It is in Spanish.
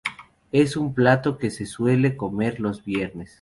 Es un plato que se suele comer los viernes.